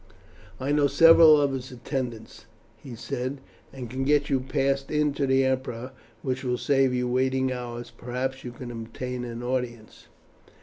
"I know several of his attendants," he said, "and can get you passed in to the emperor, which will save you waiting hours, perhaps, before you can obtain an audience."